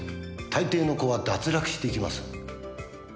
大抵の子は脱落していきます。